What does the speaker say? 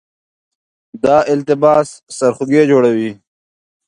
دا التباس سرخوږی جوړوي.